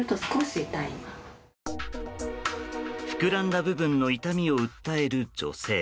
膨らんだ部分の痛みを訴える女性。